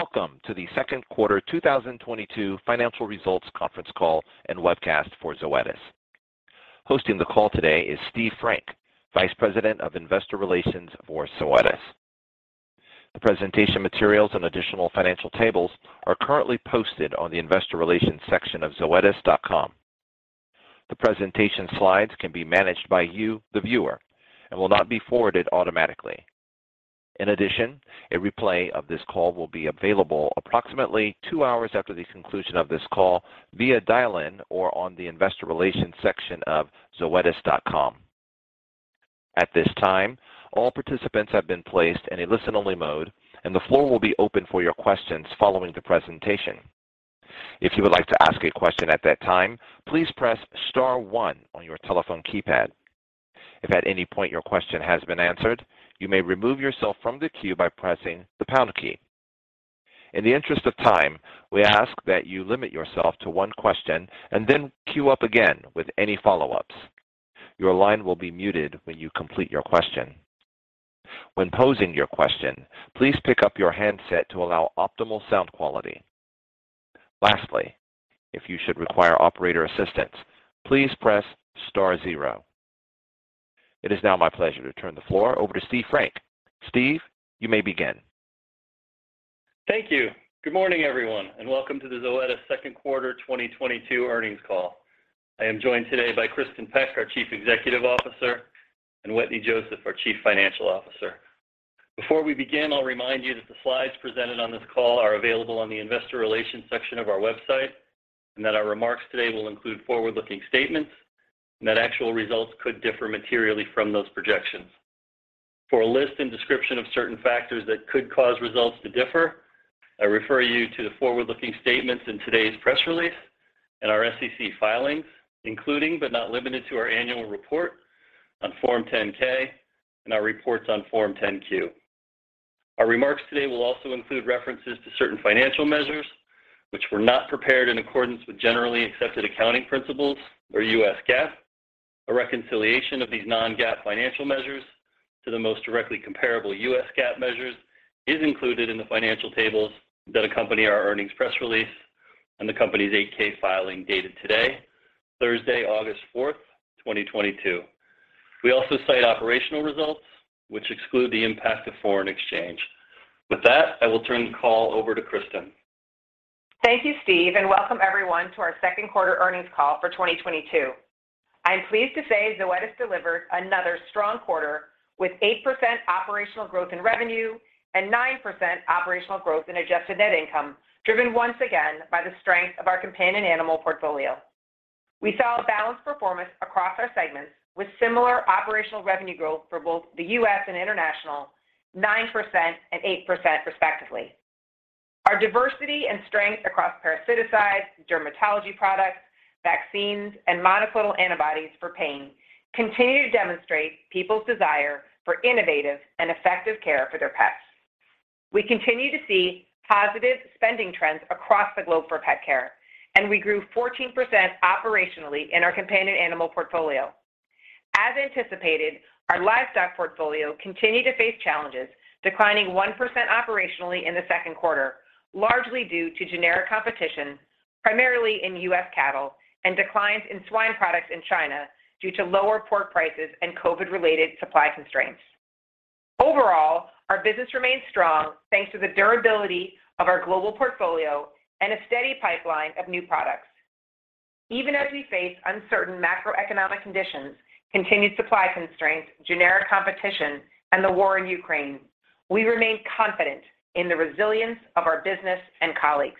Welcome to the Q2 2022 Financial Results Conference Call and Webcast for Zoetis. Hosting the call today is Steve Frank, Vice President of Investor Relations for Zoetis. The presentation materials and additional financial tables are currently posted on the investor relations section of zoetis.com. The presentation slides can be managed by you, the viewer, and will not be forwarded automatically. In addition, a replay of this call will be available approximately two hours after the conclusion of this call via dial-in or on the investor relations section of zoetis.com. At this time, all participants have been placed in a listen-only mode, and the floor will be open for your questions following the presentation. If you would like to ask a question at that time, please press star one on your telephone keypad. If at any point your question has been answered, you may remove yourself from the queue by pressing the pound key. In the interest of time, we ask that you limit yourself to one question and then queue up again with any follow-ups. Your line will be muted when you complete your question. When posing your question, please pick up your handset to allow optimal sound quality. Lastly, if you should require operator assistance, please press star zero. It is now my pleasure to turn the floor over to Steve Frank. Steve, you may begin. Thank you. Good morning, everyone, and welcome to the Zoetis Q2 2022 Earnings Call. I am joined today by Kristin Peck, our Chief Executive Officer, and Wetteny Joseph, our Chief Financial Officer. Before we begin, I'll remind you that the slides presented on this call are available on the investor relations section of our website, and that our remarks today will include forward-looking statements, and that actual results could differ materially from those projections. For a list and description of certain factors that could cause results to differ, I refer you to the forward-looking statements in today's press release and our SEC filings, including but not limited to our annual report on Form 10-K and our reports on Form 10-Q. Our remarks today will also include references to certain financial measures which were not prepared in accordance with generally accepted accounting principles or US GAAP. A reconciliation of these non-GAAP financial measures to the most directly comparable US GAAP measures is included in the financial tables that accompany our earnings press release and the company's 8-K filing dated today, Thursday, 4 August 2022. We also cite operational results which exclude the impact of foreign exchange. With that, I will turn the call over to Kristin. Thank you, Steve, and welcome everyone to our Q2 Earnings Call for 2022. I'm pleased to say Zoetis delivered another strong quarter with 8% operational growth in revenue and 9% operational growth in adjusted net income, driven once again by the strength of our companion animal portfolio. We saw a balanced performance across our segments with similar operational revenue growth for both the U.S. and international, 9% and 8% respectively. Our diversity and strength across parasiticides, dermatology products, vaccines, and monoclonal antibodies for pain continue to demonstrate people's desire for innovative and effective care for their pets. We continue to see positive spending trends across the globe for pet care, and we grew 14% operationally in our companion animal portfolio. As anticipated, our livestock portfolio continued to face challenges, declining 1% operationally in the Q2, largely due to generic competition, primarily in U.S. cattle and declines in swine products in China due to lower pork prices and COVID-related supply constraints. Overall, our business remains strong thanks to the durability of our global portfolio and a steady pipeline of new products. Even as we face uncertain macroeconomic conditions, continued supply constraints, generic competition, and the war in Ukraine, we remain confident in the resilience of our business and colleagues.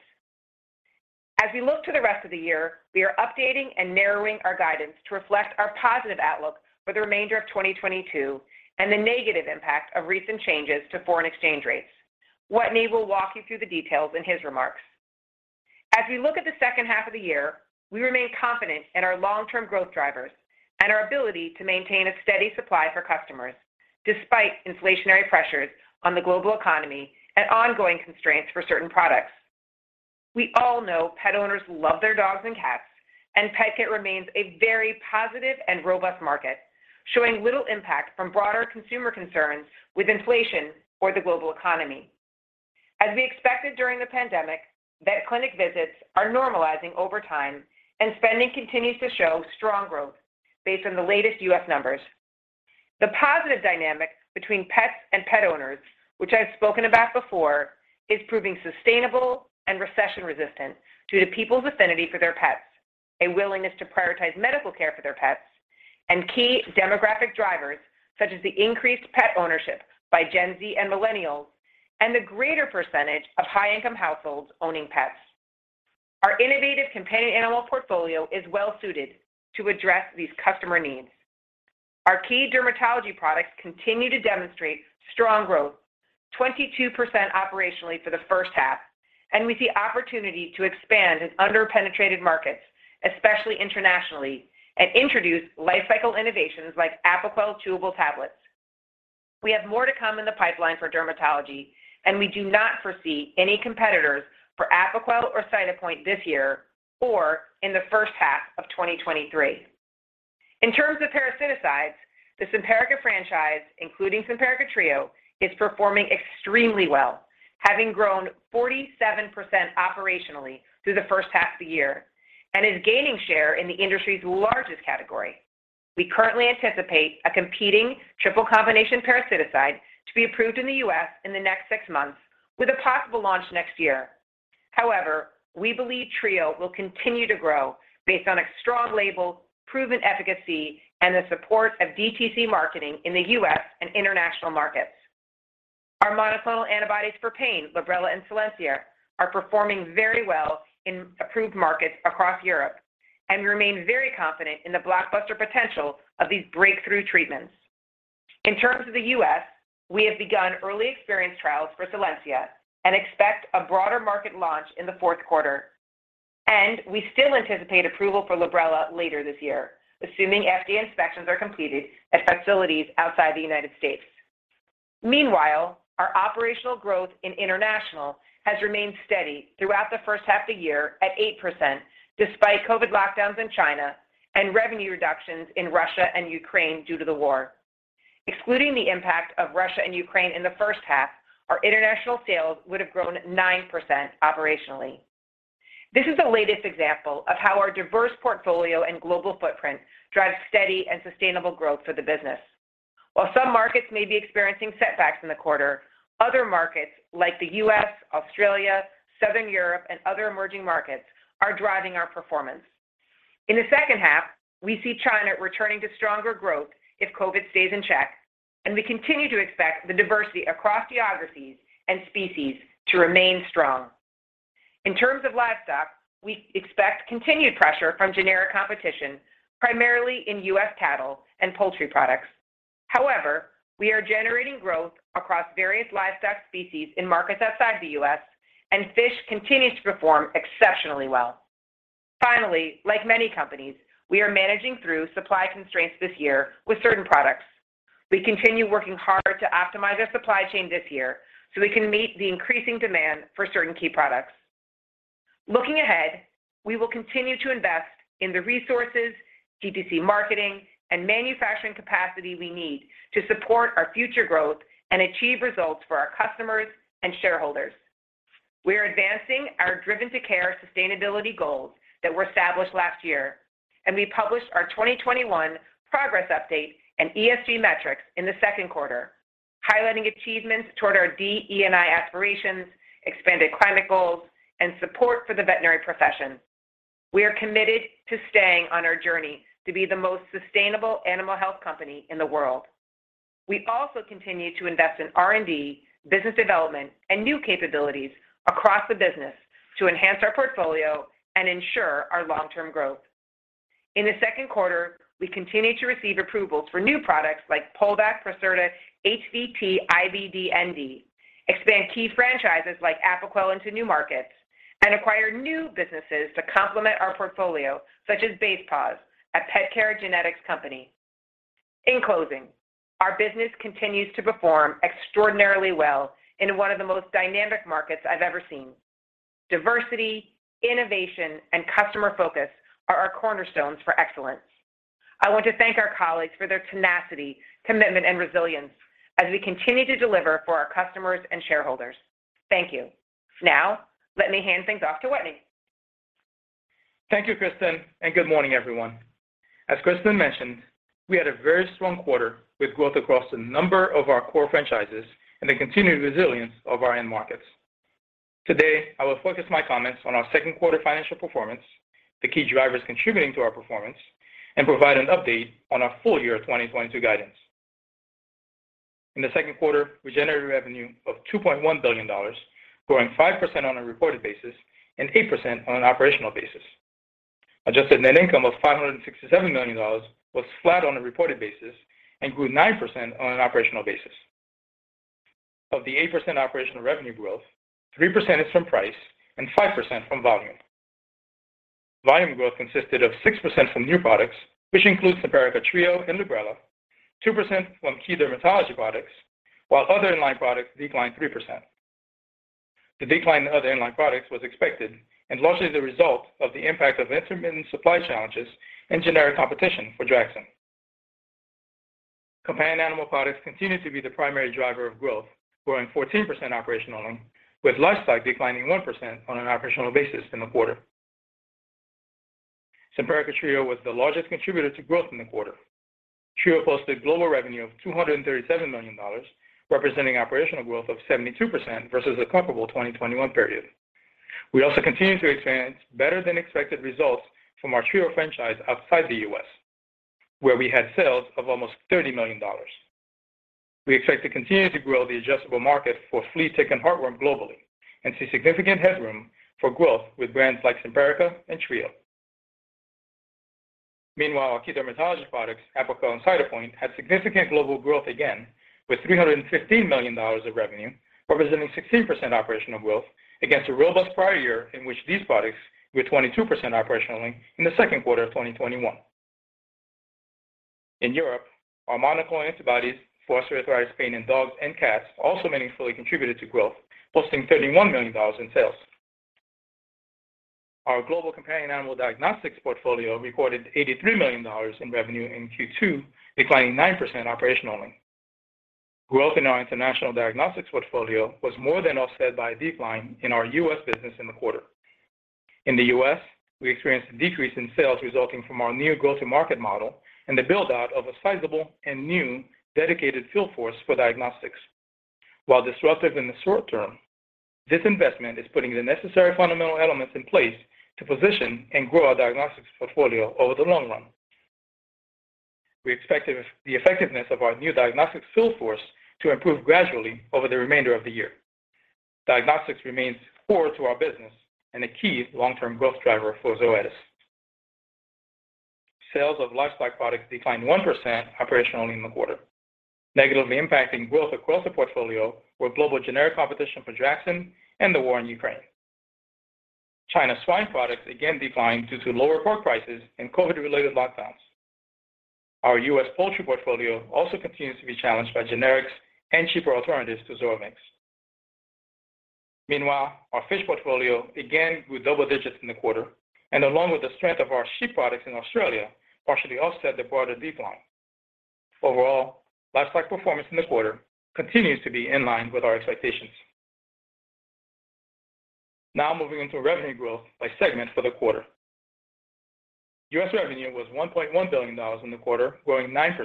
As we look to the rest of the year, we are updating and narrowing our guidance to reflect our positive outlook for the remainder of 2022 and the negative impact of recent changes to foreign exchange rates. Wetteny will walk you through the details in his remarks. As we look at the second half of the year, we remain confident in our long-term growth drivers and our ability to maintain a steady supply for customers despite inflationary pressures on the global economy and ongoing constraints for certain products. We all know pet owners love their dogs and cats, and pet care remains a very positive and robust market, showing little impact from broader consumer concerns with inflation or the global economy. As we expected during the pandemic, vet clinic visits are normalizing over time and spending continues to show strong growth based on the latest U.S. numbers. The positive dynamic between pets and pet owners, which I've spoken about before, is proving sustainable and recession-resistant due to people's affinity for their pets, a willingness to prioritize medical care for their pets, and key demographic drivers such as the increased pet ownership by Gen Z and millennials and a greater percentage of high-income households owning pets. Our innovative companion animal portfolio is well suited to address these customer needs. Our key dermatology products continue to demonstrate strong growth, 22% operationally for the first half, and we see opportunity to expand in under-penetrated markets, especially internationally, and introduce lifecycle innovations like Apoquel chewable tablets. We have more to come in the pipeline for dermatology, and we do not foresee any competitors for Apoquel or Cytopoint this year or in the first half of 2023. In terms of parasiticides, the Simparica franchise, including Simparica Trio, is performing extremely well, having grown 47% operationally through the first half of the year and is gaining share in the industry's largest category. We currently anticipate a competing triple combination parasiticide to be approved in the U.S. in the next six months with a possible launch next year. However, we believe Trio will continue to grow based on a strong label, proven efficacy, and the support of DTC marketing in the U.S. and international markets. Our monoclonal antibodies for pain, Librela and Solensia, are performing very well in approved markets across Europe, and we remain very confident in the blockbuster potential of these breakthrough treatments. In terms of the U.S., we have begun early experience trials for Solensia and expect a broader market launch in the Q4. We still anticipate approval for Librela later this year, assuming FDA inspections are completed at facilities outside the U.S.. Meanwhile, our operational growth in international has remained steady throughout the first half of the year at 8% despite COVID lockdowns in China and revenue reductions in Russia and Ukraine due to the war. Excluding the impact of Russia and Ukraine in the first half, our international sales would have grown 9% operationally. This is the latest example of how our diverse portfolio and global footprint drive steady and sustainable growth for the business. While some markets may be experiencing setbacks in the quarter, other markets like the U.S., Australia, Southern Europe, and other emerging markets are driving our performance. In the second half, we see China returning to stronger growth if COVID stays in check, and we continue to expect the diversity across geographies and species to remain strong. In terms of livestock, we expect continued pressure from generic competition, primarily in U.S. cattle and poultry products. However, we are generating growth across various livestock species in markets outside the U.S., and fish continues to perform exceptionally well. Finally, like many companies, we are managing through supply constraints this year with certain products. We continue working hard to optimize our supply chain this year so we can meet the increasing demand for certain key products. Looking ahead, we will continue to invest in the resources, DTC marketing, and manufacturing capacity we need to support our future growth and achieve results for our customers and shareholders. We are advancing our Driven to Care sustainability goals that were established last year, and we published our 2021 progress update and ESG metrics in the Q2, highlighting achievements toward our DE&I aspirations, expanded climate goals, and support for the veterinary profession. We are committed to staying on our journey to be the most sustainable animal health company in the world. We also continue to invest in R&D, business development, and new capabilities across the business to enhance our portfolio and ensure our long-term growth. In the Q2, we continued to receive approvals for new products like Poulvac for certain HVT IBD ND, expand key franchises like Apoquel into new markets, and acquire new businesses to complement our portfolio, such as Basepaws, a pet care genetics company. In closing, our business continues to perform extraordinarily well in one of the most dynamic markets I've ever seen. Diversity, innovation, and customer focus are our cornerstones for excellence. I want to thank our colleagues for their tenacity, commitment, and resilience as we continue to deliver for our customers and shareholders. Thank you. Now, let me hand things off to Wetteny. Thank you, Kristin, and good morning, everyone. As Kristin mentioned, we had a very strong quarter with growth across a number of our core franchises and the continued resilience of our end markets. Today, I will focus my comments on our Q2 financial performance, the key drivers contributing to our performance, and provide an update on our full-year 2022 guidance. In the Q2, we generated revenue of $2.1 billion, growing 5% on a reported basis and 8% on an operational basis. Adjusted net income of $567 million was flat on a reported basis and grew 9% on an operational basis. Of the 8% operational revenue growth, 3% is from price and 5% from volume. Volume growth consisted of 6% from new products, which includes Simparica Trio and Librela, 2% from key dermatology products, while other in-line products declined 3%. The decline in other in-line products was expected and largely the result of the impact of intermittent supply challenges and generic competition for Draxxin. Companion animal products continued to be the primary driver of growth, growing 14% operationally, with livestock declining 1% on an operational basis in the quarter. Simparica Trio was the largest contributor to growth in the quarter. Trio posted global revenue of $237 million, representing operational growth of 72% versus the comparable 2021 period. We also continue to experience better than expected results from our Trio franchise outside the US, where we had sales of almost $30 million. We expect to continue to grow the addressable market for flea, tick, and heartworm globally and see significant headroom for growth with brands like Simparica and Trio. Meanwhile, our key dermatology products, Apoquel and Cytopoint, had significant global growth again with $315 million of revenue, representing 16% operational growth against a robust prior year in which these products grew at 22% operationally in the Q2 of 2021. In Europe, our monoclonal antibodies for osteoarthritis pain in dogs and cats also meaningfully contributed to growth, posting $31 million in sales. Our global companion animal diagnostics portfolio recorded $83 million in revenue in Q2, declining 9% operationally. Growth in our international diagnostics portfolio was more than offset by a decline in our U.S. business in the quarter. In the U.S., we experienced a decrease in sales resulting from our new go-to-market model and the build-out of a sizable and new dedicated field force for diagnostics. While disruptive in the short term, this investment is putting the necessary fundamental elements in place to position and grow our diagnostics portfolio over the long run. We expect the effectiveness of our new diagnostics field force to improve gradually over the remainder of the year. Diagnostics remains core to our business and a key long-term growth driver for Zoetis. Sales of livestock products declined 1% operationally in the quarter. Negatively impacting growth across the portfolio were global generic competition for Draxxin and the war in Ukraine. China swine products again declined due to lower pork prices and COVID-related lockdowns. Our U.S. poultry portfolio also continues to be challenged by generics and cheaper alternatives to Zoamix. Meanwhile, our fish portfolio again grew double digits in the quarter and along with the strength of our sheep products in Australia, partially offset the broader decline. Overall, livestock performance in the quarter continues to be in line with our expectations. Now moving on to revenue growth by segment for the quarter. U.S. revenue was $1.1 billion in the quarter, growing 9%,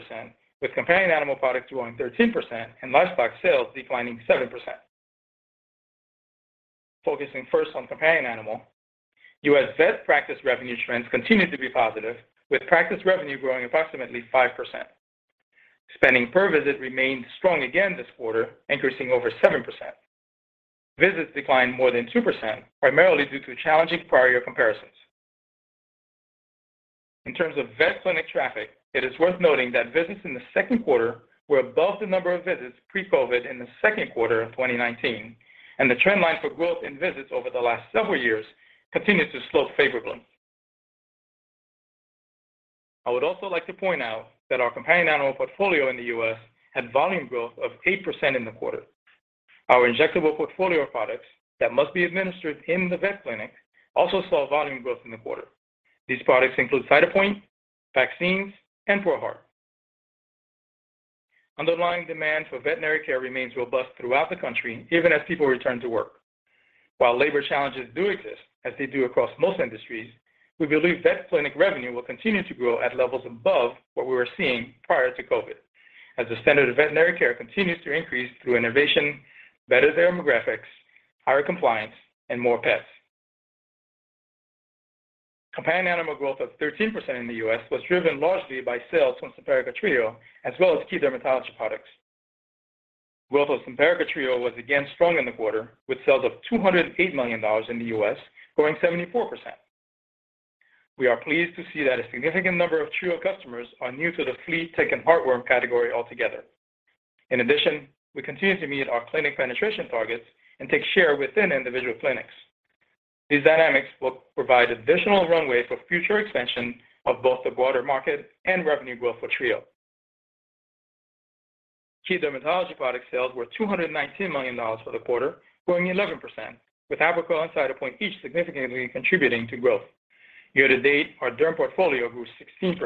with companion animal products growing 13% and livestock sales declining 7%. Focusing first on companion animal, U.S. vet practice revenue trends continued to be positive, with practice revenue growing approximately 5%. Spending per visit remained strong again this quarter, increasing over 7%. Visits declined more than 2%, primarily due to challenging prior year comparisons. In terms of vet clinic traffic, it is worth noting that visits in the Q2 were above the number of visits pre-COVID in the Q2 of 2019, and the trend line for growth in visits over the last several years continues to slope favorably. I would also like to point out that our companion animal portfolio in the U.S. had volume growth of 8% in the quarter. Our injectable portfolio of products that must be administered in the vet clinic also saw volume growth in the quarter. These products include Cytopoint, vaccines, and ProHeart. Underlying demand for veterinary care remains robust throughout the country even as people return to work. While labor challenges do exist, as they do across most industries, we believe vet clinic revenue will continue to grow at levels above what we were seeing prior to COVID as the standard of veterinary care continues to increase through innovation, better demographics, higher compliance, and more pets. Companion animal growth of 13% in the U.S. was driven largely by sales from Simparica Trio, as well as key dermatology products. Growth of Simparica Trio was again strong in the quarter, with sales of $208 million in the U.S. growing 74%. We are pleased to see that a significant number of Trio customers are new to the flea, tick, and heartworm category altogether. In addition, we continue to meet our clinic penetration targets and take share within individual clinics. These dynamics will provide additional runway for future expansion of both the broader market and revenue growth for Trio. Key dermatology product sales were $219 million for the quarter, growing 11%, with Apoquel and Cytopoint each significantly contributing to growth. Year to date, our derm portfolio grew 16%.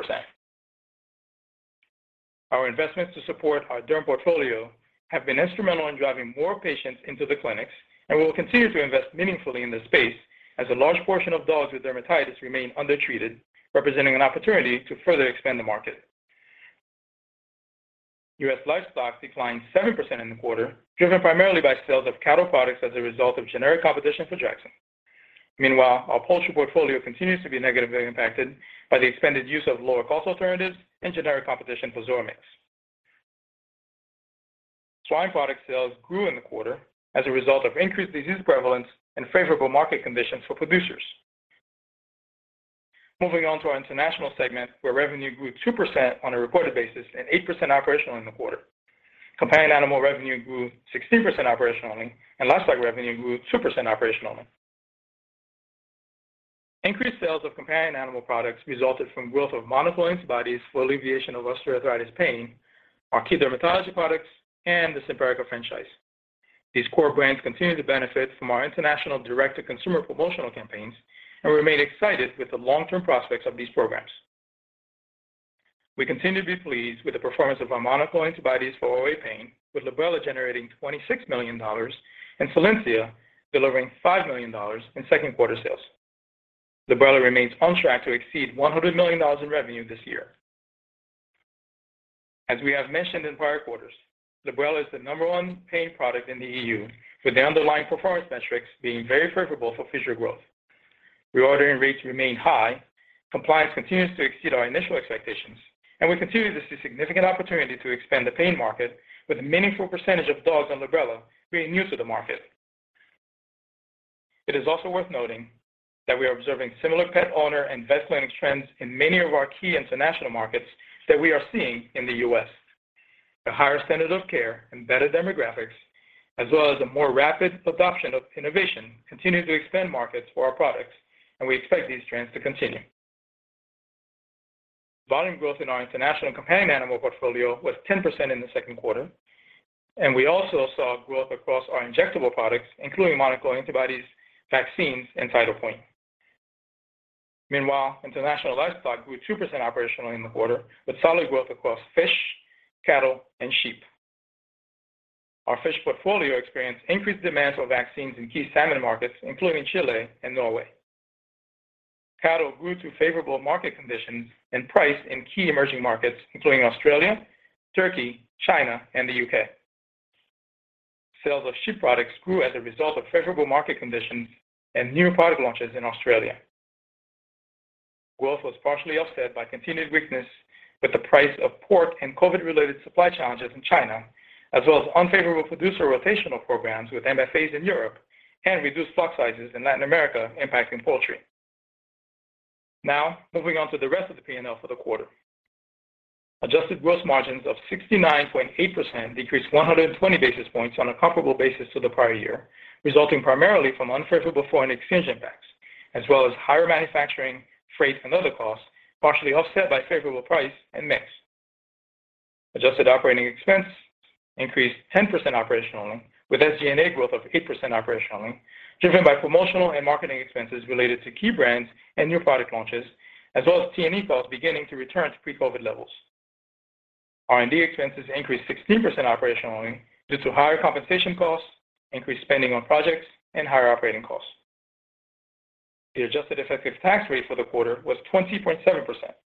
Our investments to support our derm portfolio have been instrumental in driving more patients into the clinics and we will continue to invest meaningfully in this space as a large portion of dogs with dermatitis remain undertreated, representing an opportunity to further expand the market. US livestock declined 7% in the quarter, driven primarily by sales of cattle products as a result of generic competition for Draxxin. Meanwhile, our poultry portfolio continues to be negatively impacted by the expanded use of lower-cost alternatives and generic competition for Zoamix. Swine product sales grew in the quarter as a result of increased disease prevalence and favorable market conditions for producers. Moving on to our international segment, where revenue grew 2% on a reported basis and 8% operationally in the quarter. Companion animal revenue grew 16% operationally and livestock revenue grew 2% operationally. Increased sales of companion animal products resulted from growth of monoclonal antibodies for alleviation of osteoarthritis pain, our key dermatology products, and the Simparica franchise. These core brands continue to benefit from our international direct-to-consumer promotional campaigns, and we remain excited with the long-term prospects of these programs. We continue to be pleased with the performance of our monoclonal antibodies for OA pain, with Librela generating $26 million and Solensia delivering $5 million in Q2 sales. Librela remains on track to exceed $100 million in revenue this year. As we have mentioned in prior quarters, Librela is the number one pain product in the EU, with the underlying performance metrics being very favorable for future growth. Reordering rates remain high, compliance continues to exceed our initial expectations, and we continue to see significant opportunity to expand the pain market with a meaningful percentage of dogs on Librela being new to the market. It is also worth noting that we are observing similar pet owner and vet clinic trends in many of our key international markets that we are seeing in the U.S. The higher standard of care and better demographics, as well as a more rapid adoption of innovation, continue to expand markets for our products, and we expect these trends to continue. Volume growth in our international companion animal portfolio was 10% in the Q2, and we also saw growth across our injectable products, including monoclonal antibodies, vaccines, and TidalPoint. Meanwhile, international livestock grew 2% operationally in the quarter, with solid growth across fish, cattle and sheep. Our fish portfolio experienced increased demand for vaccines in key salmon markets, including Chile and Norway. Cattle grew through favorable market conditions and price in key emerging markets, including Australia, Turkey, China, and the U.K.. Sales of sheep products grew as a result of favorable market conditions and new product launches in Australia. Growth was partially offset by continued weakness with the price of pork and COVID-related supply challenges in China, as well as unfavorable producer rotational programs with MFAs in Europe and reduced flock sizes in Latin America impacting poultry. Now moving on to the rest of the P&L for the quarter. Adjusted gross margins of 69.8% decreased 120 basis points on a comparable basis to the prior year, resulting primarily from unfavorable foreign exchange impacts, as well as higher manufacturing, freight and other costs, partially offset by favorable price and mix. Adjusted operating expense increased 10% operationally, with SG&A growth of 8% operationally, driven by promotional and marketing expenses related to key brands and new product launches, as well as T&E costs beginning to return to pre-COVID levels. R&D expenses increased 16% operationally due to higher compensation costs, increased spending on projects and higher operating costs. The adjusted effective tax rate for the quarter was 20.7%,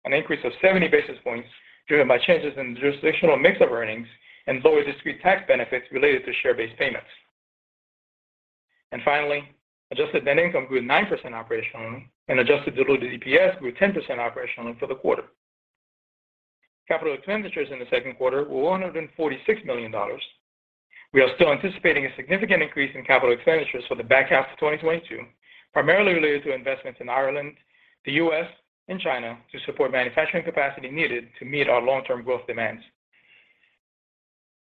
an increase of 70 basis points driven by changes in the jurisdictional mix of earnings and lower discrete tax benefits related to share-based payments. Finally, adjusted net income grew 9% operationally and adjusted diluted EPS grew 10% operationally for the quarter. Capital expenditures in the Q2 were $446 million. We are still anticipating a significant increase in capital expenditures for the back half of 2022, primarily related to investments in Ireland, the U.S., and China to support manufacturing capacity needed to meet our long-term growth demands.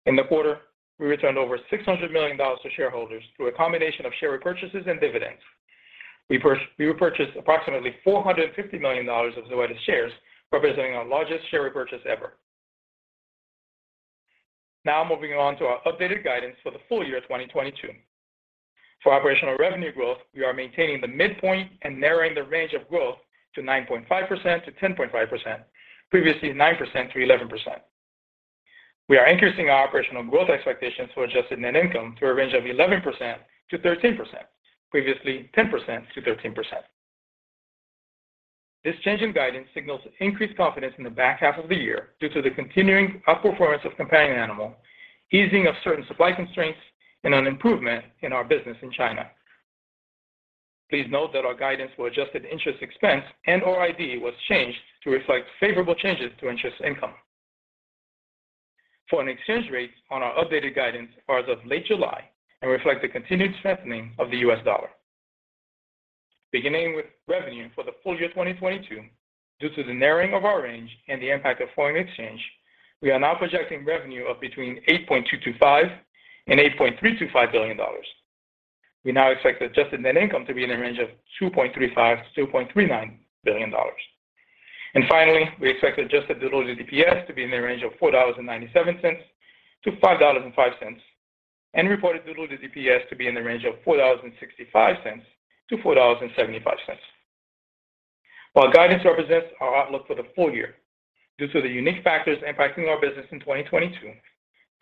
In the quarter, we returned over $600 million to shareholders through a combination of share repurchases and dividends. We repurchased approximately $450 million of Zoetis shares, representing our largest share repurchase ever. Now moving on to our updated guidance for the full year 2022. For operational revenue growth, we are maintaining the midpoint and narrowing the range of growth to 9.5%-10.5%, previously 9%-11%. We are increasing our operational growth expectations for adjusted net income to a range of 11%-13%, previously 10%-13%. This change in guidance signals increased confidence in the back half of the year due to the continuing outperformance of companion animal, easing of certain supply constraints and an improvement in our business in China. Please note that our guidance for adjusted interest expense and OID was changed to reflect favorable changes to interest income. Foreign exchange rates on our updated guidance are as of late July and reflect the continued strengthening of the U.S. dollar. Beginning with revenue for the full year 2022, due to the narrowing of our range and the impact of foreign exchange, we are now projecting revenue of between $8.225 billion and $8.325 billion. We now expect adjusted net income to be in the range of $2.35 billion-$2.39 billion. Finally, we expect adjusted diluted EPS to be in the range of $4.97-$5.05 and reported diluted EPS to be in the range of $4.65-$4.75. While guidance represents our outlook for the full year, due to the unique factors impacting our business in 2022,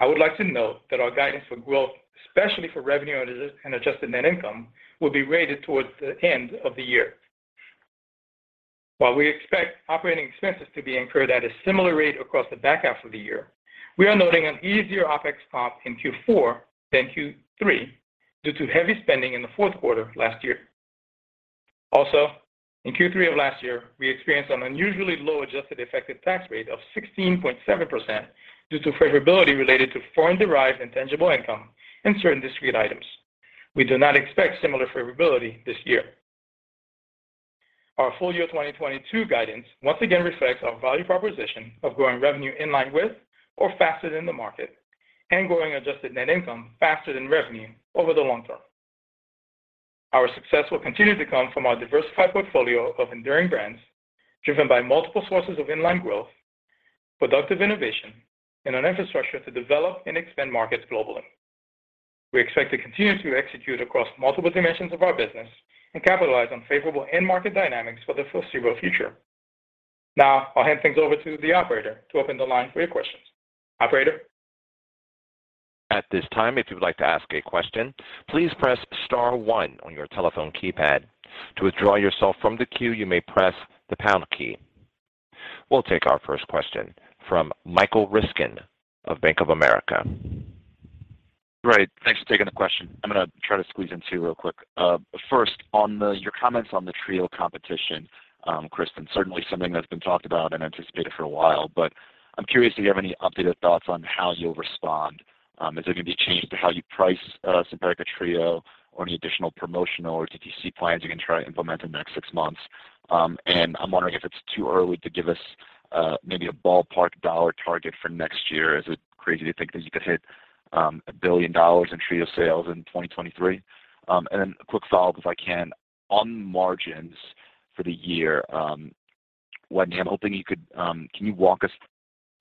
I would like to note that our guidance for growth, especially for revenue and adjusted net income, will be weighted towards the end of the year. While we expect operating expenses to be incurred at a similar rate across the back half of the year, we are noting an easier OpEx comp in Q4 than Q3 due to heavy spending in the Q4 of last year. Also, in Q3 of last year, we experienced an unusually low adjusted effective tax rate of 16.7% due to favorability related to foreign-derived intangible income and certain discrete items. We do not expect similar favorability this year. Our full year 2022 guidance once again reflects our value proposition of growing revenue in line with or faster than the market and growing adjusted net income faster than revenue over the long term. Our success will continue to come from our diversified portfolio of enduring brands driven by multiple sources of in-line growth, productive innovation and an infrastructure to develop and expand markets globally. We expect to continue to execute across multiple dimensions of our business and capitalize on favorable end market dynamics for the foreseeable future. Now I'll hand things over to the operator to open the line for your questions. Operator? At this time, if you would like to ask a question, please press star one on your telephone keypad. To withdraw yourself from the queue, you may press the pound key. We'll take our first question from Michael Ryskin of Bank of America. Great. Thanks for taking the question. I'm going to try to squeeze in two real quick. First, on your comments on the Trio competition, Kristin, certainly something that's been talked about and anticipated for a while, but I'm curious if you have any updated thoughts on how you'll respond. Is it going to be a change to how you price, Simparica Trio or any additional promotional or DTC plans you're going to try to implement in the next six months? And I'm wondering if it's too early to give us, maybe a ballpark dollar target for next year. Is it crazy to think that you could hit $1 billion in Trio sales in 2023. A quick follow-up if I can. On margins for the year, Wetteny, can you walk us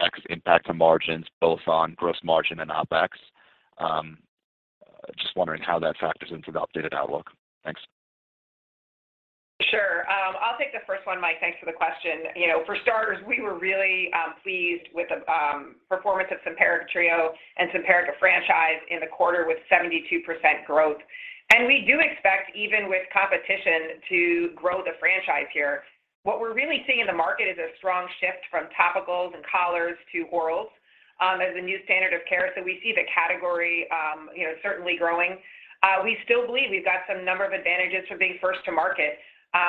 through the impact to margins, both on gross margin and OpEx? Just wondering how that factors into the updated outlook. Thanks. Sure. I'll take the first one, Mike. Thanks for the question. You know, for starters, we were really pleased with the performance of Simparica Trio and Simparica franchise in the quarter with 72% growth. We do expect, even with competition, to grow the franchise here. What we're really seeing in the market is a strong shift from topicals and collars to orals as a new standard of care. We see the category, you know, certainly growing. We still believe we've got some number of advantages for being first to market.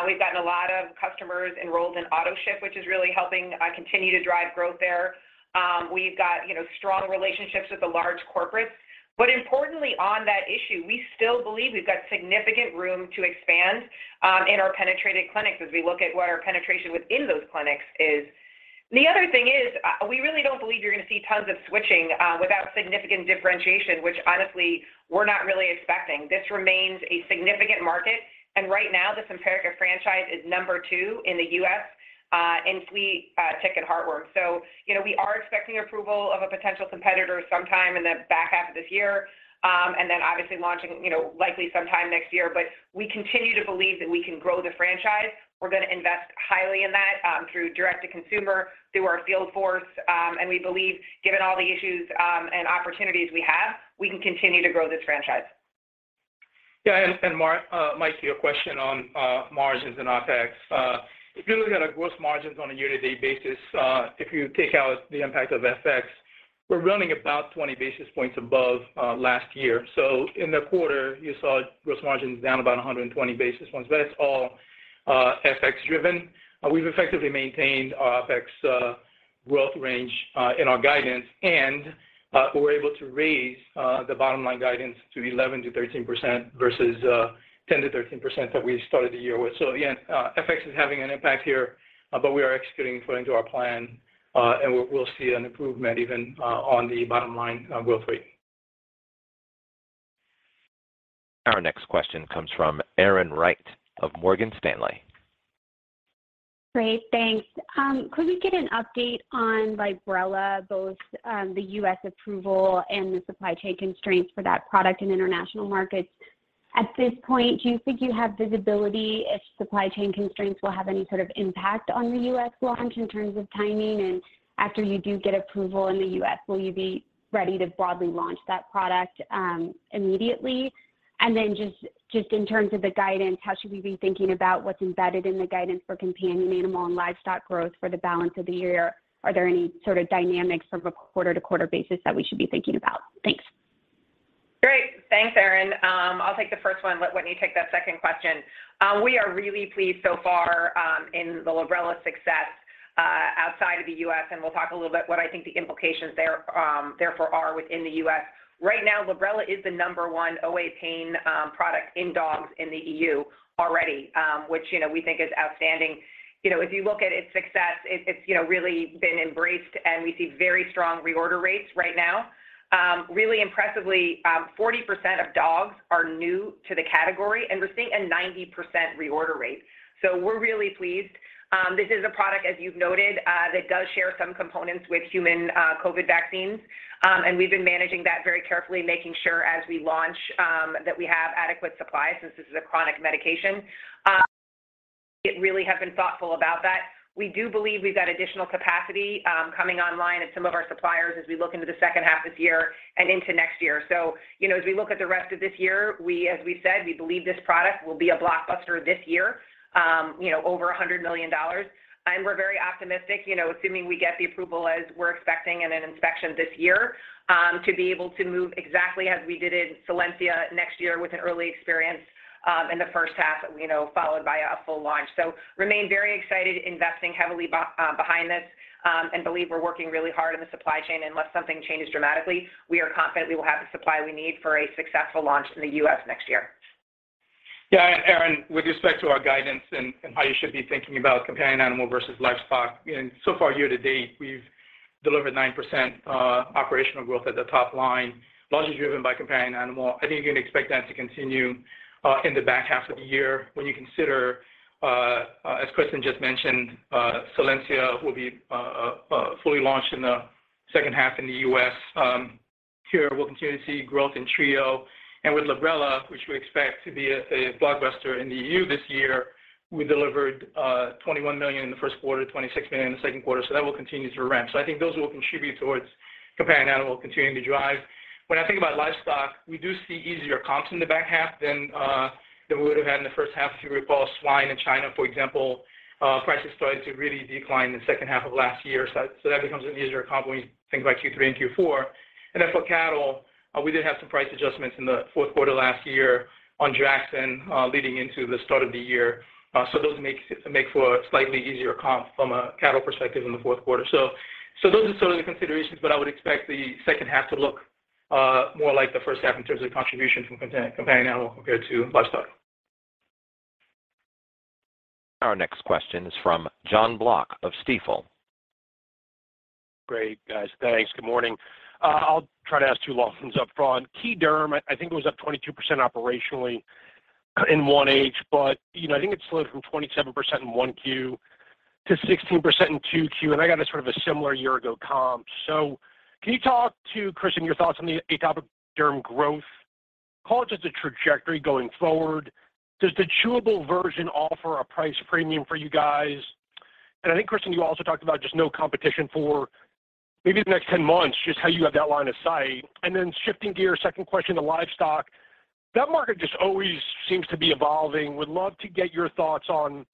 We've gotten a lot of customers enrolled in autoship, which is really helping continue to drive growth there. We've got, you know, strong relationships with the large corporates. Importantly on that issue, we still believe we've got significant room to expand in our penetrated clinics as we look at what our penetration within those clinics is. The other thing is, we really don't believe you're going to see tons of switching without significant differentiation, which honestly, we're not really expecting. This remains a significant market, and right now, the Simparica franchise is number two in the U.S. in flea, tick, and heartworm. You know, we are expecting approval of a potential competitor sometime in the back half of this year, and then obviously launching, you know, likely sometime next year. We continue to believe that we can grow the franchise. We're going to invest highly in that, through direct-to-consumer, through our field force, and we believe given all the issues, and opportunities we have, we can continue to grow this franchise. Yeah, I understand Mike, your question on margins and OpEx. If you're looking at our gross margins on a year-to-date basis, if you take out the impact of FX, we're running about 20 basis points above last year. In the quarter, you saw gross margins down about 120 basis points, but that's all FX driven. We've effectively maintained our OpEx growth range in our guidance and we're able to raise the bottom line guidance to 11%-13% versus 10%-13% that we started the year with. Again, FX is having an impact here, but we are executing according to our plan and we'll see an improvement even on the bottom line growth rate. Our next question comes from Erin Wright of Morgan Stanley. Great. Thanks. Could we get an update on Librela, both the U.S. approval and the supply chain constraints for that product in international markets? At this point, do you think you have visibility if supply chain constraints will have any sort of impact on the U.S. launch in terms of timing? After you do get approval in the U.S., will you be ready to broadly launch that product immediately? Just in terms of the guidance, how should we be thinking about what's embedded in the guidance for companion animal and livestock growth for the balance of the year? Are there any sort of dynamics from a quarter-to-quarter basis that we should be thinking about? Thanks. Great. Thanks, Erin. I'll take the first one. Let Wetteny take that second question. We are really pleased so far in the Librela success outside of the U.S., and we'll talk a little bit what I think the implications there therefore are within the U.S. Right now, Librela is the number one OA pain product in dogs in the E.U. already, which, you know, we think is outstanding. You know, if you look at its success, it's you know, really been embraced, and we see very strong reorder rates right now. Really impressively, 40% of dogs are new to the category, and we're seeing a 90% reorder rate. We're really pleased. This is a product, as you've noted, that does share some components with human COVID vaccines. We've been managing that very carefully, making sure as we launch, that we have adequate supply since this is a chronic medication. Really have been thoughtful about that. We do believe we've got additional capacity, coming online at some of our suppliers as we look into the second half of this year and into next year. You know, as we look at the rest of this year, we, as we said, we believe this product will be a blockbuster this year, you know, over $100 million. We're very optimistic, you know, assuming we get the approval as we're expecting in an inspection this year, to be able to move exactly as we did in Solensia next year with an early experience, in the first half, you know, followed by a full launch. Remain very excited, investing heavily behind this, and believe we're working really hard on the supply chain unless something changes dramatically. We are confident we will have the supply we need for a successful launch in the U.S. next year. Yeah. Erin, with respect to our guidance and how you should be thinking about companion animal versus livestock, so far year to date, we've delivered 9% operational growth at the top line, largely driven by companion animal. I think you can expect that to continue in the back half of the year when you consider as Kristin just mentioned, Solensia will be fully launched in the second half in the U.S. Here we'll continue to see growth in Trio. And with Librela, which we expect to be a blockbuster in the EU this year, we delivered $21 million in the Q1, $26 million in the Q2. That will continue to ramp. I think those will contribute towards companion animal continuing to drive. When I think about livestock, we do see easier comps in the back half than we would have had in the first half. If you recall, swine in China, for example, prices started to really decline in the second half of last year. That becomes an easier comp when you think about Q3 and Q4. For cattle, we did have some price adjustments in the Q4 last year on Dra, leading into the start of the year. Those make for a slightly easier comp from a cattle perspective in the Q4 Those are some of the considerations, but I would expect the second half to look more like the first half in terms of contribution from companion animal compared to livestock. Our next question is from Jon Block of Stifel. Great, guys. Thanks. Good morning. I'll try to ask two long ones up front. Key Derm, I think it was up 22% operationally in first half, but, you know, I think it slowed from 27% in Q1 to 16% in Q2, and I got a sort of a similar year-ago comp. Can you talk to, Kristin, your thoughts on the atopic derm growth? Call it just a trajectory going forward. Does the chewable version offer a price premium for you guys? I think, Kristin, you also talked about just no competition for maybe the next ten months, just how you have that line of sight. Then shifting gear, second question to livestock. That market just always seems to be evolving. Would love to get your thoughts on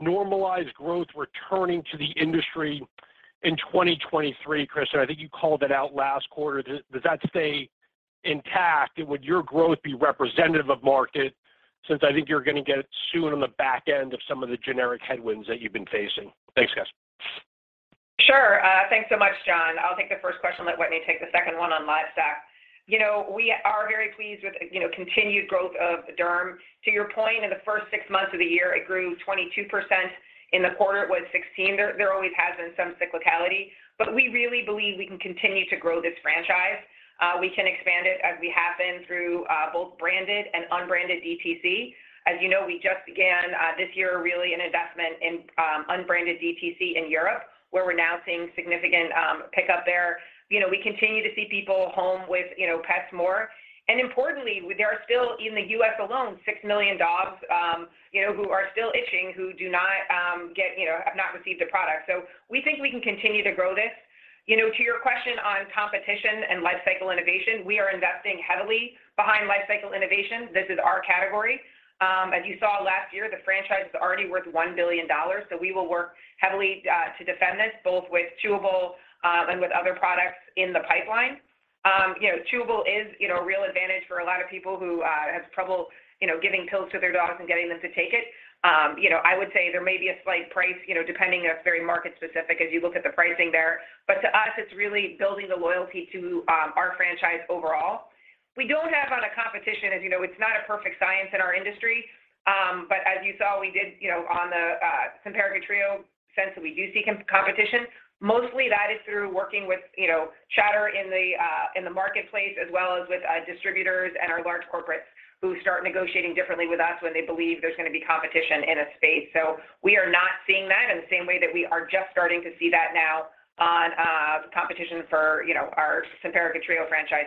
normalized growth returning to the industry in 2023. Kristin, I think you called it out last quarter. Does that stay intact? Would your growth be representative of market since I think you're gonna get it soon on the back end of some of the generic headwinds that you've been facing? Thanks, guys. Sure. Thanks so much, Jon. I'll take the first question and let Wetteny take the second one on livestock. You know, we are very pleased with, you know, continued growth of Derm. To your point, in the first six months of the year, it grew 22%. In the quarter, it was 16%. There always has been some cyclicality. We really believe we can continue to grow this franchise. We can expand it as we have been through both branded and unbranded DTC. As you know, we just began this year really an investment in unbranded DTC in Europe, where we're now seeing significant pick up there. You know, we continue to see people home with, you know, pets more. Importantly, there are still, in the U.S. alone, six million dogs, you know, who are still itching, who do not get, you know, have not received a product. So, we think we can continue to grow this. You know, to your question on competition and life cycle innovation, we are investing heavily behind life cycle innovation. This is our category. As you saw last year, the franchise is already worth $1 billion, so we will work heavily to defend this, both with chewable and with other products in the pipeline. You know, chewable is, you know, a real advantage for a lot of people who has trouble, you know, giving pills to their dogs and getting them to take it. I would say there may be a slight price, you know, depending. It's very market specific as you look at the pricing there. To us, it's really building the loyalty to our franchise overall. We don't have ongoing competition, as you know. It's not a perfect science in our industry. As you saw, we did, you know, on the Simparica Trio since that we do see competition. Mostly, that is through working with, you know, chatter in the marketplace, as well as with distributors and our large corporates who start negotiating differently with us when they believe there's gonna be competition in a space. We are not seeing that in the same way that we are just starting to see that now on ongoing competition for, you know, our Simparica Trio franchise.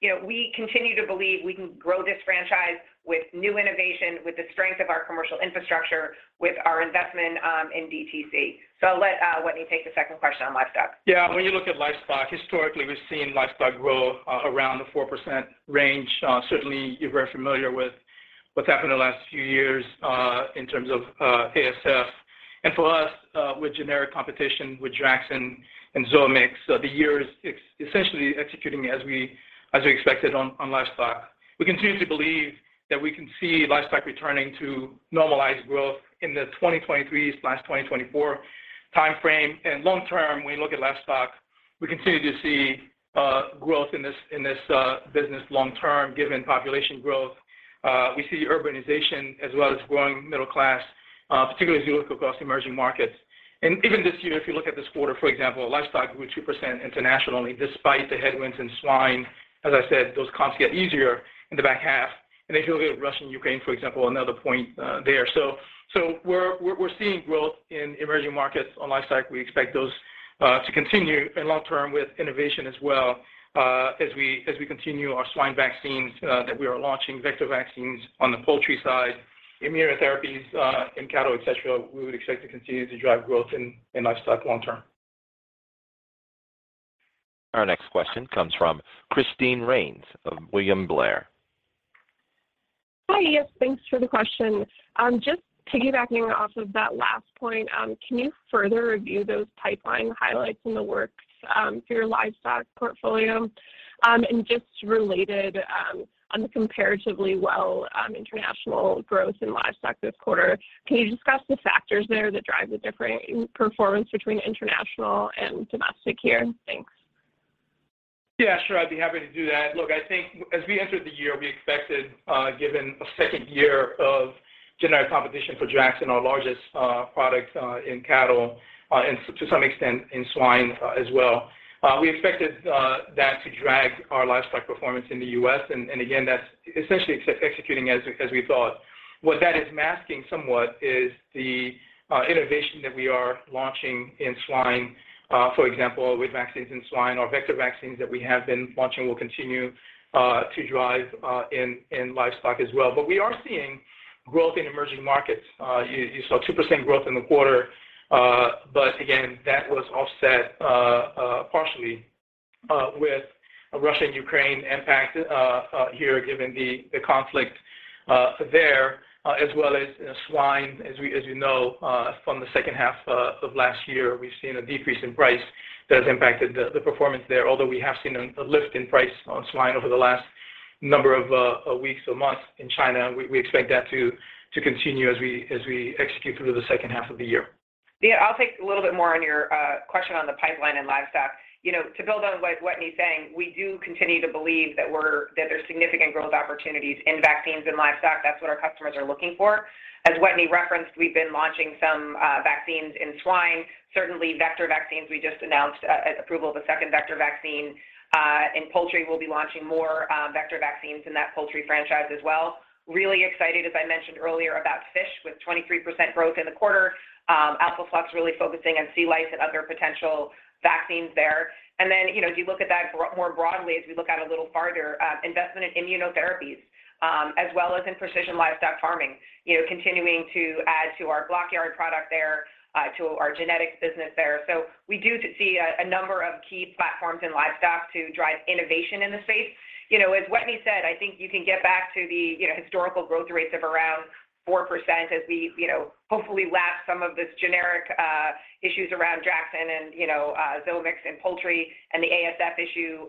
You know, we continue to believe we can grow this franchise with new innovation, with the strength of our commercial infrastructure, with our investment in DTC. I'll let Wetteny take the second question on livestock. Yeah. When you look at livestock, historically, we've seen livestock grow around the 4% range. Certainly you're very familiar with what's happened the last few years in terms of ASF. For us, with generic competition with Draxxin and Zoamix, the year is essentially executing as we expected on livestock. We continue to believe that we can see livestock returning to normalized growth in the 2023/2024 timeframe. Long term, when you look at livestock, we continue to see growth in this business long term, given population growth. We see urbanization as well as growing middle class, particularly as you look across emerging markets. Even this year, if you look at this quarter, for example, livestock grew 2% internationally despite the headwinds in swine. As I said, those comps get easier in the back half. If you look at Russia and Ukraine, for example, another point there. We're seeing growth in emerging markets on livestock. We expect those to continue in long term with innovation as well, as we continue our swine vaccines that we are launching, vector vaccines on the poultry side, immunotherapies in cattle, etcetera. We would expect to continue to drive growth in livestock long term. Our next question comes from Christine Rains of William Blair. Hi. Yes, thanks for the question. Just piggybacking off of that last point, can you further review those pipeline highlights in the works, for your livestock portfolio? Just related, on the comparatively well, international growth in livestock this quarter, can you discuss the factors there that drive the different performance between international and domestic here? Thanks. Yeah, sure. I'd be happy to do that. Look, I think as we entered the year, we expected, given a second year of generic competition for Draxxin, our largest product, in cattle, and to some extent in swine, as well. We expected that to drag our livestock performance in the U.S. Again, that's essentially executing as we thought. What that is masking somewhat is the innovation that we are launching in swine, for example, with vaccines in swine or vector vaccines that we have been launching will continue to drive in livestock as well. We are seeing growth in emerging markets. You saw 2% growth in the quarter. Again, that was offset partially with a Russia and Ukraine impact here, given the conflict there, as well as in swine. As you know, from the second half of last year, we've seen a decrease in price that has impacted the performance there. Although we have seen a lift in price on swine over the last number of weeks or months in China, we expect that to continue as we execute through the second half of the year. Yeah, I'll take a little bit more on your question on the pipeline and livestock. You know, to build on what Wetteny's saying, we do continue to believe that there's significant growth opportunities in vaccines and livestock. That's what our customers are looking for. As Wetteny referenced, we've been launching some vaccines in swine. Certainly, vector vaccines, we just announced an approval of a second vector vaccine in poultry. We'll be launching more vector vaccines in that poultry franchise as well. Really excited, as I mentioned earlier, about fish, with 23% growth in the quarter. Alpha Flux really focusing on sea lice and other potential vaccines there. You know, as you look at that more broadly as we look out a little farther, investment in immunotherapies, as well as in precision livestock farming. You know, continuing to add to our BLOCKYARD product there, to our genetics business there. We do see a number of key platforms in livestock to drive innovation in the space. You know, as Wetteny said, I think you can get back to the, you know, historical growth rates of around 4% as we, you know, hopefully lap some of these generic issues around Jackson and Xovix in poultry and the ASF issue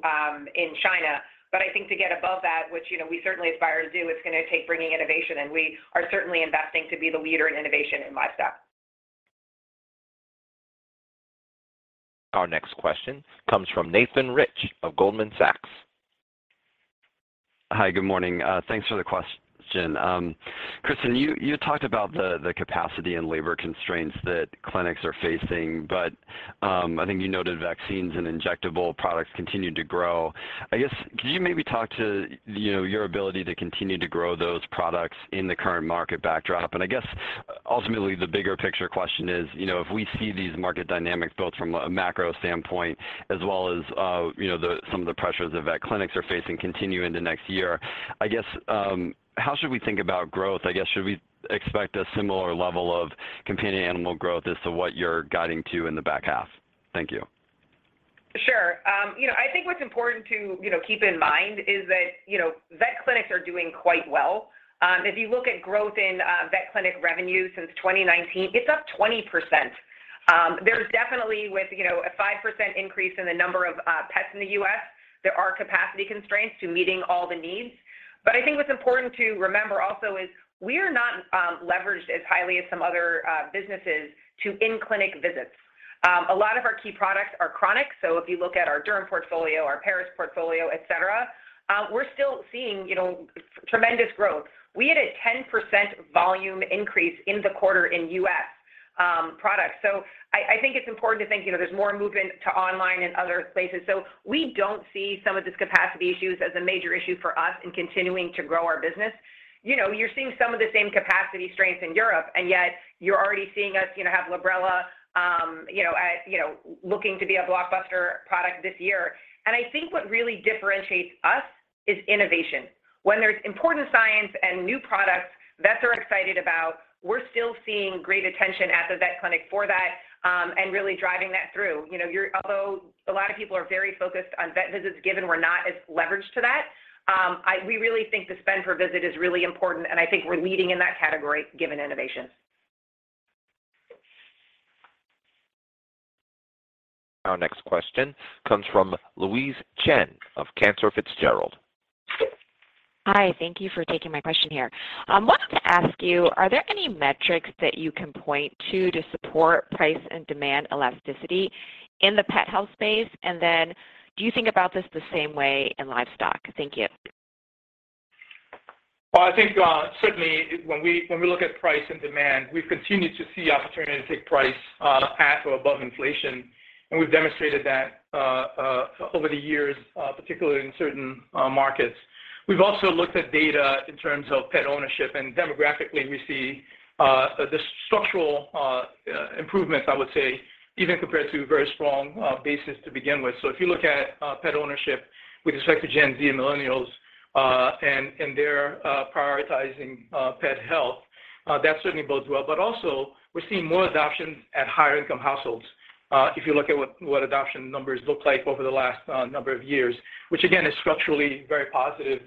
in China. I think to get above that, which, you know, we certainly aspire to do, it's gonna take bringing innovation, and we are certainly investing to be the leader in innovation in livestock. Our next question comes from Nathan Rich of Goldman Sachs. Hi, good morning. Thanks for the question. Kristin, you talked about the capacity and labor constraints that clinics are facing, but I think you noted vaccines and injectable products continue to grow. I guess, could you maybe talk to, you know, your ability to continue to grow those products in the current market backdrop? I guess ultimately the bigger picture question is, you know, if we see these market dynamics both from a macro standpoint as well as, you know, some of the pressures the vet clinics are facing continue into next year, I guess, how should we think about growth? I guess, should we expect a similar level of companion animal growth as to what you're guiding to in the back half? Thank you. Sure. You know, I think what's important to, you know, keep in mind is that, you know, vet clinics are doing quite well. If you look at growth in vet clinic revenue since 2019, it's up 20%. There's definitely with, you know, a 5% increase in the number of pets in the U.S., there are capacity constraints to meeting all the needs. But I think what's important to remember also is we are not leveraged as highly as some other businesses to in-clinic visits. A lot of our key products are chronic. So if you look at our Derm portfolio, our Paras portfolio, et cetera, we're still seeing, you know, tremendous growth. We had a 10% volume increase in the quarter in US products. I think it's important to think, you know, there's more movement to online and other places. We don't see some of this capacity issues as a major issue for us in continuing to grow our business. You know, you're seeing some of the same capacity constraints in Europe, and yet you're already seeing us, you know, have Librela, you know, looking to be a blockbuster product this year. I think what really differentiates us is innovation. When there's important science and new products vets are excited about, we're still seeing great attention at the vet clinic for that, and really driving that through. You know, although a lot of people are very focused on vet visits, given we're not as leveraged to that, we really think the spend per visit is really important, and I think we're leading in that category given innovation. Our next question comes from Louise Chen of Cantor Fitzgerald. Hi, thank you for taking my question here. Wanted to ask you, are there any metrics that you can point to support price and demand elasticity in the pet health space? Do you think about this the same way in livestock? Thank you. Well, I think certainly when we look at price and demand, we've continued to see opportunities to take price at or above inflation, and we've demonstrated that over the years, particularly in certain markets. We've also looked at data in terms of pet ownership, and demographically, we see the structural improvements, I would say, even compared to a very strong basis to begin with. If you look at pet ownership with respect to Gen Z and millennials, and they're prioritizing pet health, that certainly bodes well. Also we're seeing more adoptions at higher income households, if you look at what adoption numbers look like over the last number of years, which again is structurally very positive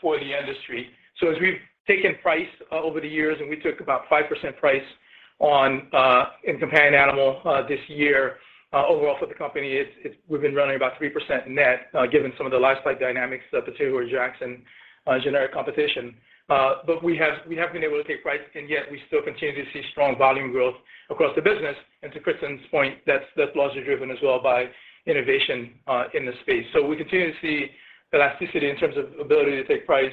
for the industry. As we've taken price over the years, we took about 5% price on in companion animal this year, overall for the company, we've been running about 3% net, given some of the lifecycle dynamics, particularly Jackson generic competition. We have been able to take price, yet we still continue to see strong volume growth across the business. To Kristin's point, that's largely driven as well by innovation in the space. We continue to see elasticity in terms of ability to take price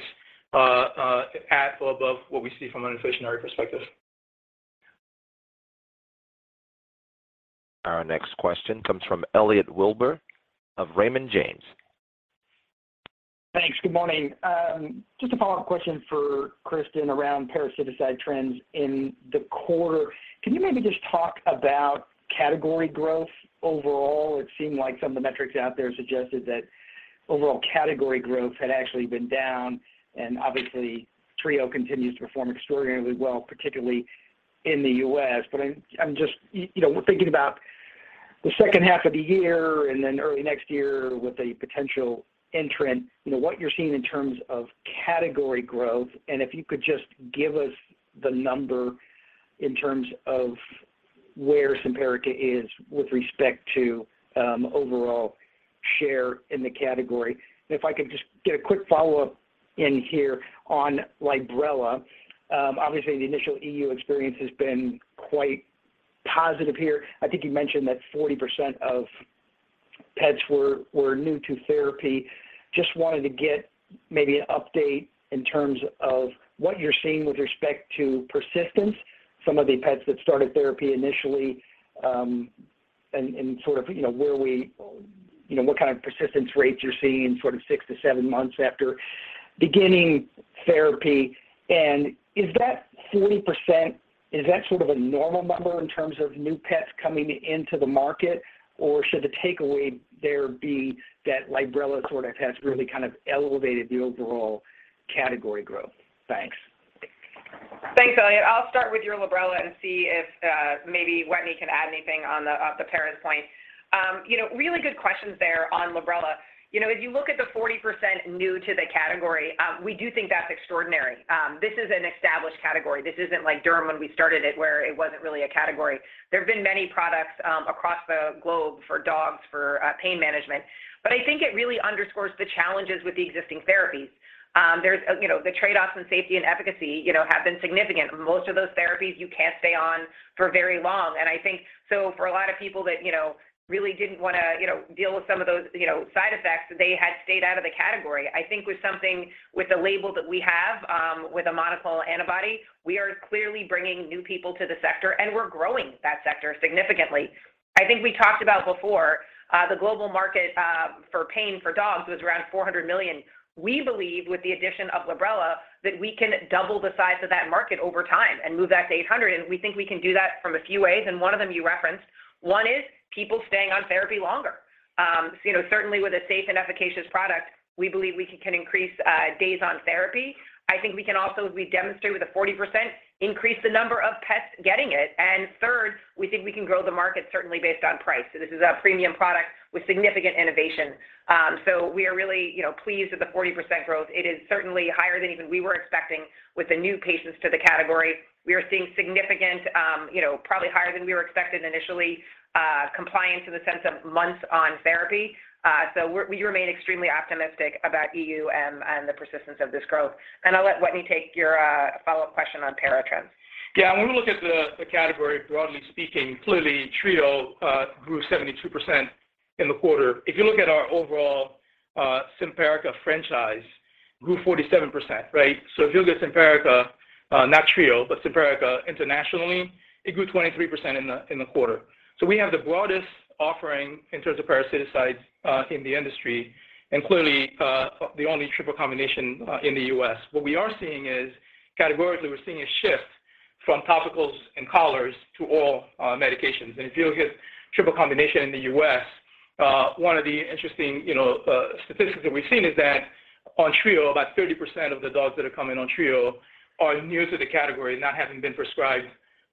at or above what we see from an inflationary perspective. Our next question comes from Elliott Wilbur of Raymond James. Thanks. Good morning. Just a follow-up question for Kristin around parasiticide trends in the quarter. Can you maybe just talk about category growth overall? It seemed like some of the metrics out there suggested that overall category growth had actually been down, and obviously Trio continues to perform extraordinarily well, particularly in the U.S. But I'm just you know, thinking about the second half of the year and then early next year with a potential entrant, you know, what you're seeing in terms of category growth, and if you could just give us the number in terms of where Simparica is with respect to overall category. share in the category. If I could just get a quick follow-up in here on Librela. Obviously, the initial EU experience has been quite positive here. I think you mentioned that 40% of pets were new to therapy. Just wanted to get maybe an update in terms of what you're seeing with respect to persistence, some of the pets that started therapy initially, and sort of, you know, what kind of persistence rates you're seeing sort of six to seven months after beginning therapy. Is that 40%, is that sort of a normal number in terms of new pets coming into the market, or should the takeaway there be that Librela sort of has really kind of elevated the overall category growth? Thanks. Thanks, Elliot. I'll start with your Librela and see if maybe Wetteny can add anything on the pricing point. You know, really good questions there on Librela. You know, if you look at the 40% new to the category, we do think that's extraordinary. This is an established category. This isn't like Derm when we started it, where it wasn't really a category. There have been many products across the globe for dogs for pain management. I think it really underscores the challenges with the existing therapies. You know, the trade-offs in safety and efficacy have been significant. Most of those therapies you can't stay on for very long. I think, so for a lot of people that, you know, really didn't wanna, you know, deal with some of those, you know, side effects, they had stayed out of the category. I think with something with the label that we have, with a monoclonal antibody, we are clearly bringing new people to the sector, and we're growing that sector significantly. I think we talked about before, the global market, for pain for dogs was around $400 million. We believe, with the addition of Librela, that we can double the size of that market over time and move that to $800 million, and we think we can do that from a few ways, and one of them you referenced. One is people staying on therapy longer. You know, certainly with a safe and efficacious product, we believe we can increase days on therapy. I think we can also, as we demonstrate with the 40%, increase the number of pets getting it. Third, we think we can grow the market certainly based on price. This is a premium product with significant innovation. We are really, you know, pleased with the 40% growth. It is certainly higher than even we were expecting with the new patients to the category. We are seeing significant, you know, probably higher than we were expecting initially compliance in the sense of months on therapy. We remain extremely optimistic about EU and the persistence of this growth. I'll let Wetteny take your follow-up question on parasiticides. Yeah. When we look at the category, broadly speaking, clearly Trio grew 72% in the quarter. If you look at our overall Simparica franchise grew 47%, right? If you look at Simparica, not Trio, but Simparica internationally, it grew 23% in the quarter. We have the broadest offering in terms of parasiticides in the industry, and clearly the only triple combination in the U.S. What we are seeing is, categorically, we're seeing a shift from topicals and collars to oral medications. If you look at triple combination in the U.S., one of the interesting, you know, statistics that we've seen is that on Trio, about 30% of the dogs that are coming on Trio are new to the category, not having been prescribed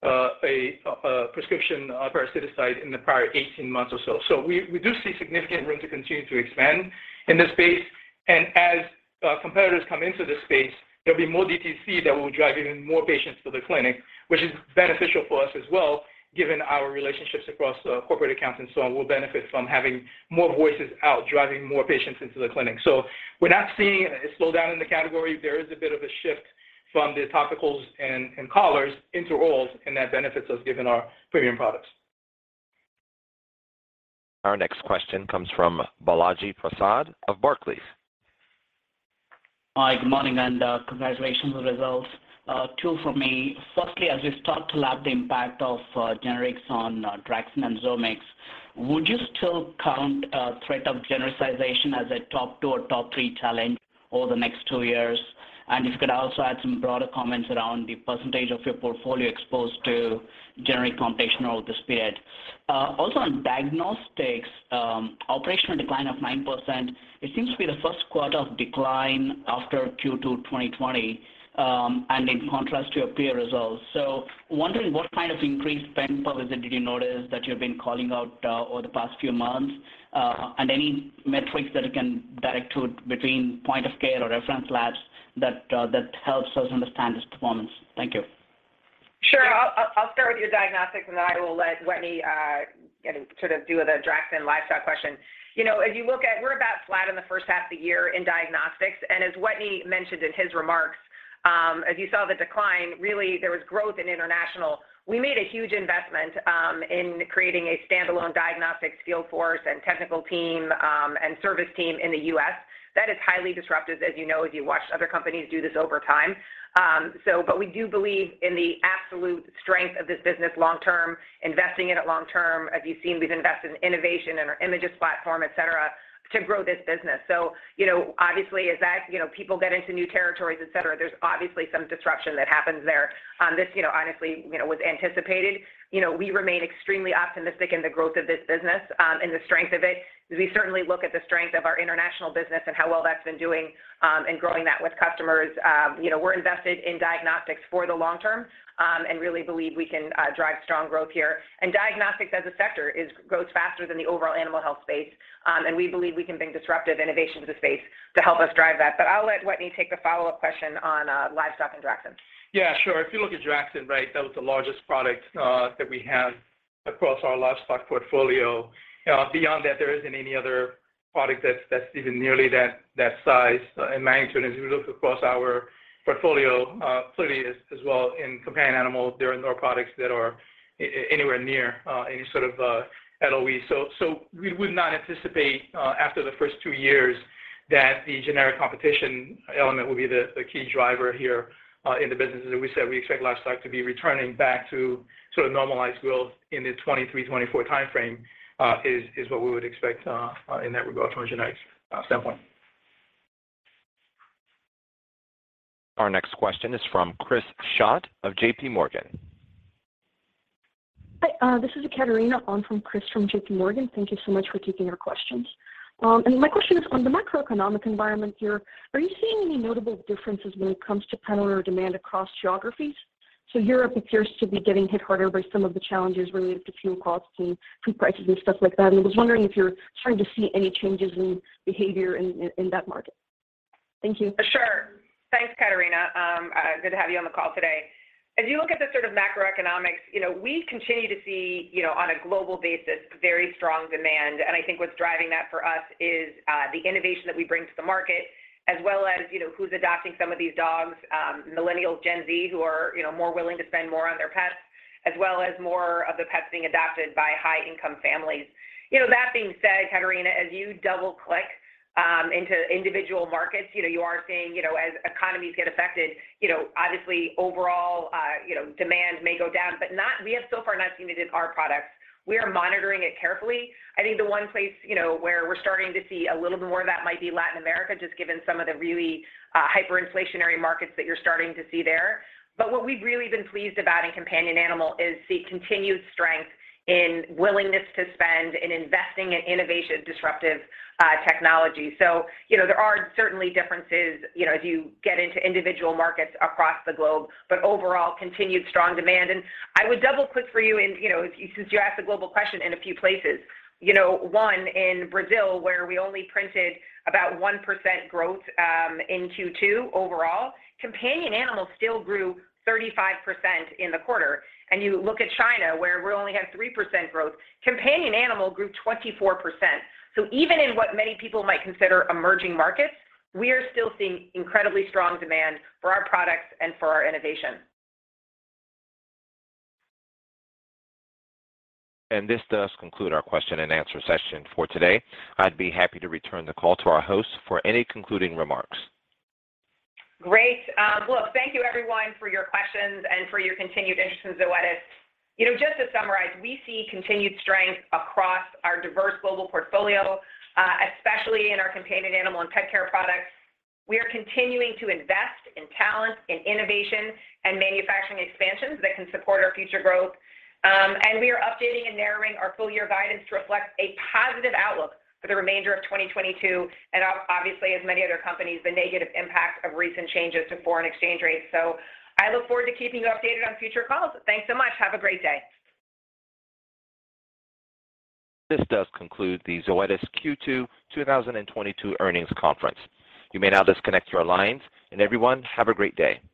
a prescription parasiticide in the prior 18 months or so. We do see significant room to continue to expand in this space. As competitors come into this space, there'll be more DTC that will drive even more patients to the clinic, which is beneficial for us as well, given our relationships across corporate accounts and so on. We'll benefit from having more voices out, driving more patients into the clinic. We're not seeing a slowdown in the category. There is a bit of a shift from the topicals and collars into orals, and that benefits us given our premium products. Our next question comes from Balaji Prasad of Barclays. Hi, good morning, and congratulations on the results. Two from me. Firstly, as we start to lap the impact of generics on Draxxin and Zoamix, would you still count threat of genericization as a top two or top three challenge over the next two years? If you could also add some broader comments around the percentage of your portfolio exposed to generic competition over this period. Also on diagnostics, operational decline of 9%, it seems to be the Q1 of decline after Q2 2020, and in contrast to your peer results. Wondering what kind of increased spending activity, you noticed that you've been calling out over the past few months, and any metrics that you can direct to between point of care or reference labs that helps us understand this performance. Thank you. Sure. I'll start with your diagnostics, and then I will let Wetteny, you know, sort of do the Draxxin livestock question. You know, if you look at, we're about flat in the first half of the year in diagnostics, and as Wetteny mentioned in his remarks, as you saw the decline, really, there was growth in international. We made a huge investment in creating a standalone diagnostics field force and technical team, and service team in the U.S. That is highly disruptive, as you know, as you watch other companies do this over time. But we do believe in the absolute strength of this business long term, investing in it long term. As you've seen, we've invested in innovation, in our Imagyst platform, et cetera, to grow this business. You know, obviously as they get into new territories, et cetera, there's obviously some disruption that happens there. This, you know, honestly, was anticipated. You know, we remain extremely optimistic in the growth of this business, and the strength of it, as we certainly look at the strength of our international business and how well that's been doing, in growing that with customers. You know, we're invested in diagnostics for the long term, and really believe we can drive strong growth here. Diagnostics as a sector grows faster than the overall animal health space, and we believe we can bring disruptive innovation to the space to help us drive that. I'll let Wetteny take the follow-up question on livestock and Draxxin. Yeah, sure. If you look at Draxxin, right, that was the largest product that we have across our livestock portfolio. Beyond that, there isn't any other product that's even nearly that size. In my opinion, as we look across our portfolio, clearly as well in companion animals, there aren't products that are anywhere near any sort of LOE. We would not anticipate, after the first two years that the generic competition element will be the key driver here, in the business. As we said, we expect livestock to be returning back to sort of normalized growth in the 2023, 2024 timeframe, is what we would expect, in that regard from a genetics standpoint. Our next question is from Chris Schott of J.P. Morgan. Hi, this is Ekaterina on for Chris Schott from J.P. Morgan. Thank you so much for taking our questions. My question is on the macroeconomic environment here. Are you seeing any notable differences when it comes to pet owner demand across geographies? Europe appears to be getting hit harder by some of the challenges related to fuel costs and food prices and stuff like that. I was wondering if you're starting to see any changes in behavior in that market. Thank you. Sure. Thanks, Ekaterina. Good to have you on the call today. As you look at the sort of macroeconomics, you know, we continue to see, you know, on a global basis, very strong demand. I think what's driving that for us is the innovation that we bring to the market, as well as, you know, who's adopting some of these dogs, Millennials, Gen Z, who are, you know, more willing to spend more on their pets, as well as more of the pets being adopted by high-income families. You know, that being said, Ekaterina, as you double-click into individual markets, you know, you are seeing, you know, as economies get affected, you know, obviously overall, you know, demand may go down, but we have so far not seen it in our products. We are monitoring it carefully. I think the one place, you know, where we're starting to see a little bit more of that might be Latin America, just given some of the really hyperinflationary markets that you're starting to see there. What we've really been pleased about in companion animal is the continued strength in willingness to spend and investing in innovation, disruptive technology. You know, there are certainly differences, you know, as you get into individual markets across the globe, but overall, continued strong demand. I would double-click for you in, you know, since you asked a global question in a few places. You know, one in Brazil, where we only printed about 1% growth in Q2 overall, companion animals still grew 35% in the quarter. You look at China, where we only had 3% growth, companion animal grew 24%. Even in what many people might consider emerging markets, we are still seeing incredibly strong demand for our products and for our innovation. This does conclude our question and answer session for today. I'd be happy to return the call to our host for any concluding remarks. Great. Look, thank you everyone for your questions and for your continued interest in Zoetis. You know, just to summarize, we see continued strength across our diverse global portfolio, especially in our companion animal and pet care products. We are continuing to invest in talent, in innovation and manufacturing expansions that can support our future growth. We are updating and narrowing our full year guidance to reflect a positive outlook for the remainder of 2022, and obviously, as many other companies, the negative impact of recent changes to foreign exchange rates. I look forward to keeping you updated on future calls. Thanks so much. Have a great day. This does conclude the Zoetis Q2 2022 Earnings Conference. You may now disconnect your lines, and everyone, have a great day.